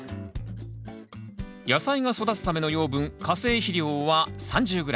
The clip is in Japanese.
野菜が育つための養分化成肥料は３０ｇ。